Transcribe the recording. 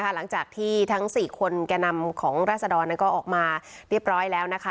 หลังจากที่ทั้ง๔คนแก่นำของราศดรก็ออกมาเรียบร้อยแล้วนะคะ